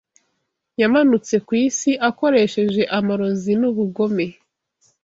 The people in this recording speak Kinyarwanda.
Yamanutse ku isi akoresheje amarozi n'ubugome